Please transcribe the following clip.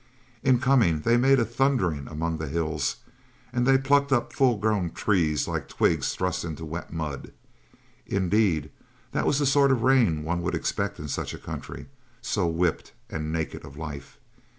In coming they made a thundering among the hills and they plucked up full grown trees like twigs thrust into wet mud. Indeed, that was the sort of rain one would expect in such a country, so whipped and naked of life.